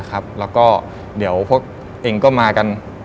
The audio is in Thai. แล้วก็เดี๋ยวพวกเองก็มากัน